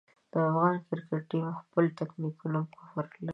د افغان کرکټ ټیم پر خپلو ټکتیکونو باور لري.